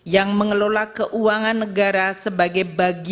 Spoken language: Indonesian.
yang mengelola keuangan negara sebagai bagi bagi